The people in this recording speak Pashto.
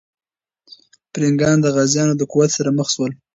پرنګیان د غازيانو د قوت سره مخ سول.